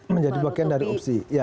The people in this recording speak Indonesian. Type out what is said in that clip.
menjadi bagian dari opsi